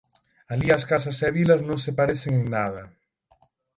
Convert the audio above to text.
Alí as casas e vilas non se parecen en nada: